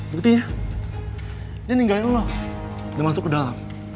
berarti dia ninggalin lo dan masuk ke dalam